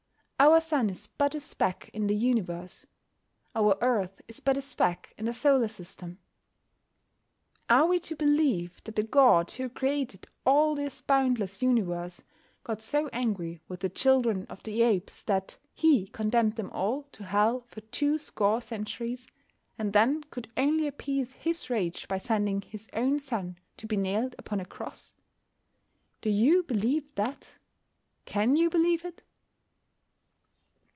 Our sun is but a speck in the universe. Our earth is but a speck in the solar system. Are we to believe that the God who created all this boundless universe got so angry with the children of the apes that He condemned them all to Hell for two score centuries, and then could only appease His rage by sending His own Son to be nailed upon a cross? Do you believe that? Can you believe it?